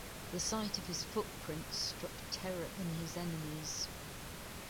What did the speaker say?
The sight of his footprints struck terror in his enemies.